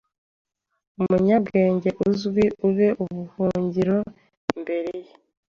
Umunyabwenge uzwi ube ubuhungiro imbere ye